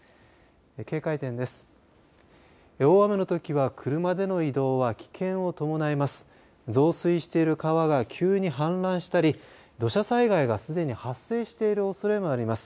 警戒点です。